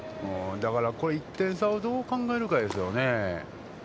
だから、１点差をどう考えるかですよね。